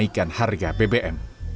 kenaikan harga bbm